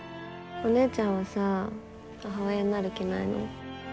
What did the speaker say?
お姉ちゃんはさ母親になる気ないの？